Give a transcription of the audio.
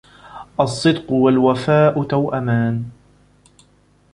الصِّدْقُ وَالْوَفَاءُ تَوْأَمَانِ